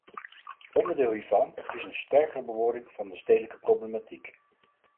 Onderdeel hiervan is een sterkere bewoording van de stedelijke problematiek.